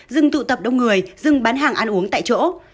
dừng tụ tập đông người dừng bán hàng ăn uống tại chỗ